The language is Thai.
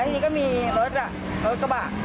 ทีนี้ก็มีรถแบบรถเกบะ